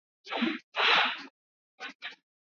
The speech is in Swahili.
joe mkupa mahasimu wawili hawa wanaoshindana hapo